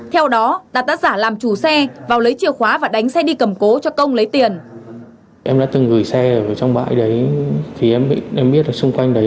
theo đó đạt đã giả làm chủ xe vào lấy chìa khóa và đánh xe đi cầm cố cho công lấy tiền